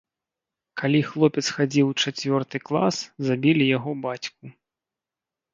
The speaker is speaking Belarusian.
Калі хлопец хадзіў у чацвёрты клас, забілі яго бацьку.